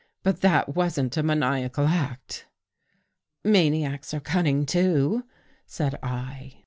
" But that wasn't a maniacal act." " Maniacs are cunning, too," said I.